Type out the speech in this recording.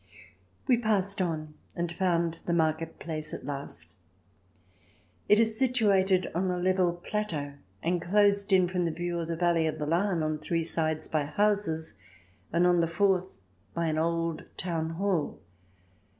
We passed on, and found the market place at last. It is situated on a level plateau, and closed in from the view of the valley of the Lahn on three sides by houses, and on the fourth by an old town hall.